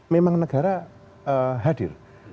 memang negara hadir